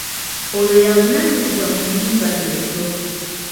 Oyo y'avunaanyizibwa ku nnyumba ezo.